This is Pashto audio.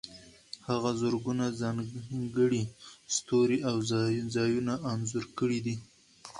هغه زرګونه ځانګړي ستوري او ځایونه انځور کړي دي.